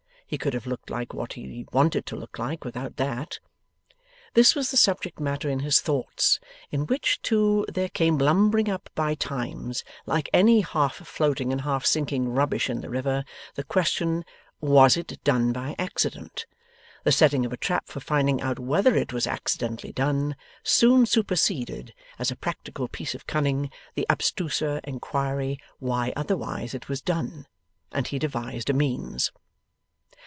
He could have looked like what he wanted to look like, without that.' This was the subject matter in his thoughts; in which, too, there came lumbering up, by times, like any half floating and half sinking rubbish in the river, the question, Was it done by accident? The setting of a trap for finding out whether it was accidentally done, soon superseded, as a practical piece of cunning, the abstruser inquiry why otherwise it was done. And he devised a means.